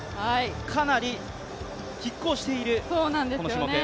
かなりきっ抗しているこの種目。